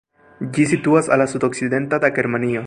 Ĝi situas al la sudokcidenta da Germanio.